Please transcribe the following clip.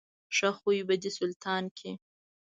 ښه خوی به دې سلطان کړي.